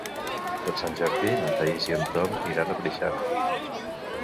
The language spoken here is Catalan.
Per Sant Jordi na Thaís i en Tom iran a Preixana.